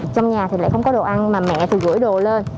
trong nhà thì lại không có đồ ăn mà mẹ thì gửi đồ lên